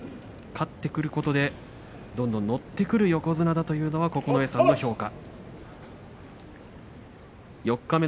勝ってくることでどんどん乗ってくる横綱だというのは九重さんの評価。